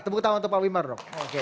tepuk tangan untuk pak wimar dok